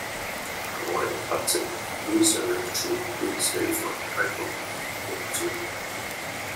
Roy hat seit "Resurrection" jedes Halford-Album produziert.